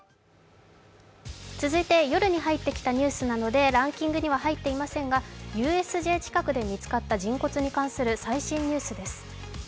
続いて夜に入ってきたニュースなのでランキングには入っていませんが、ＵＳＪ近くで発見された人骨に関する最新ニュースです。